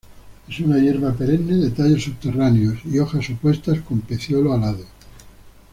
Es una hierba perenne, de tallos subterráneos y hojas opuestas con peciolo alado.